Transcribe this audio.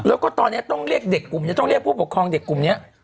แล้วก็ตอนนี้ต้องเรียกเด็กกลุ่มนี้ต้องเรียกผู้ปกครองเด็กกลุ่มนี้